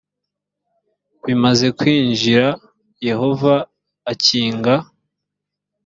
bimaze kwinjira yehova akinga